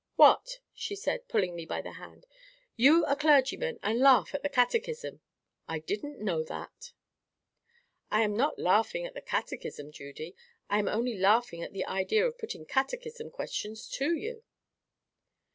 "What!" she said, pulling me by the hand, "you a clergyman, and laugh at the Catechism! I didn't know that." "I'm not laughing at the Catechism, Judy. I'm only laughing at the idea of putting Catechism questions to you."